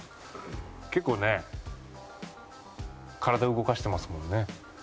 結構ね体動かしてますもんね。